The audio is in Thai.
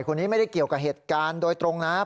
คนนี้ไม่ได้เกี่ยวกับเหตุการณ์โดยตรงนะครับ